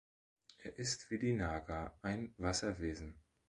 Er ist wie die Naga ein Wasserwesen.